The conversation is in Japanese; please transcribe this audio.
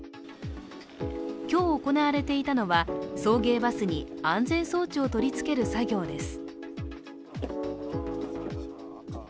今日行われていたのは、送迎バスに安全装置を取り付ける作業です。